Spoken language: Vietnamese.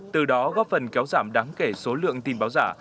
từ đó góp phần kéo giảm đáng kể số lượng tin báo giả